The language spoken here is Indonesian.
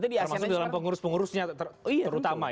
termasuk dalam pengurus pengurusnya terutama ya